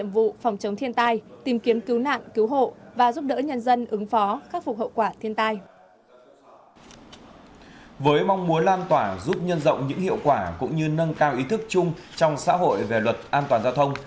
với mong muốn lan tỏa giúp nhân rộng những hiệu quả cũng như nâng cao ý thức chung trong xã hội về luật an toàn giao thông